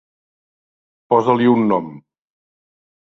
Posa-li un nom.